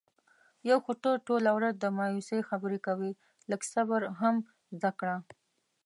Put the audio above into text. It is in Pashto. یو خو ته ټوله ورځ د مایوسی خبرې کوې. لږ صبر هم زده کړه.